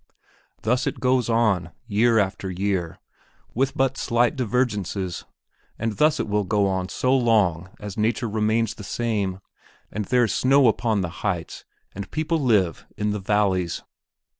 Thus it goes on, year after year, with but slight divergences, and thus it will go on so long as nature remains the same, and there is snow upon the heights and people live in the valleys.